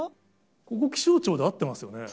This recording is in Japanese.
ここ、気象庁で合ってますよね？